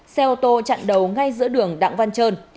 xe ô tô chặn đầu ngay giữa đường đặng văn trơn